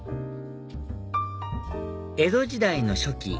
江戸時代の初期